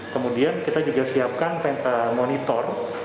kemudian kita juga siapkan monitor